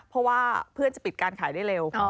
เพราะว่าเพื่อนจะปิดการขายได้เร็ว